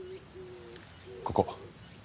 ここ。